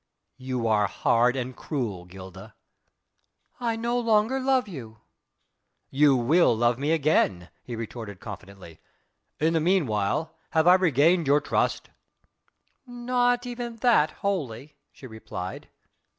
"You are hard and cruel, Gilda." "I no longer love you." "You will love again," he retorted confidently, "in the meanwhile have I regained your trust?" "Not even that, wholly," she replied.